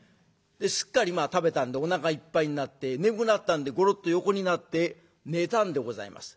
すっかり食べたんでおなかいっぱいになって眠くなったんでゴロッと横になって寝たんでございます。